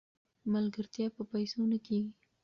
ملګرتیا په پیسو نه کیږي.